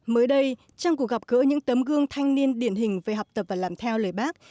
mới đây trong cuộc gặp gỡ những tấm gương thanh niên điển hình về học tập và làm theo lời bác